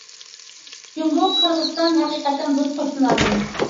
جۇڭگو، قىرغىزىستان ھەقىقەتەن دوست قوشنىلاردىن.